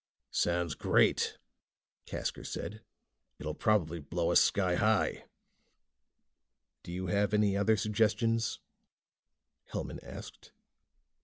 "Sounds great," Casker said. "It'll probably blow us sky high." "Do you have any other suggestions?" Hellman asked.